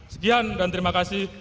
sekian dan terima kasih